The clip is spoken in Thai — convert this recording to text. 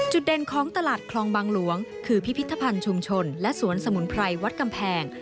เด่นของตลาดคลองบางหลวงคือพิพิธภัณฑ์ชุมชนและสวนสมุนไพรวัดกำแพง